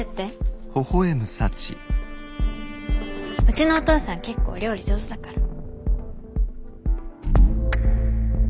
うちのお父さん結構料理上手だから。